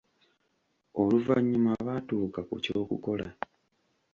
Oluvannyuma baatuuka ku ky'okukola.